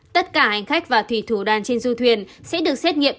tất cả hành khách và thủy thủ đàn trên du thuyền sẽ được xét nghiệm covid một mươi chín